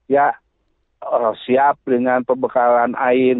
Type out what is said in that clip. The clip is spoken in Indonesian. ya siap dengan perbekalan air